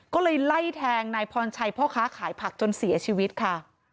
ก็เลยไล่แทงนายพรชัยพ่อค้าขายผักจนเสียชีวิตค่ะ